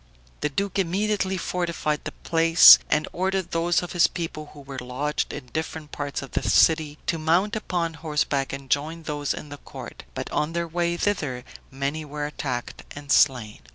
The duke immediately fortified the place, and ordered those of his people who were lodged in different parts of the city to mount upon horseback and join those in the court; but, on their way thither, many were attacked and slain.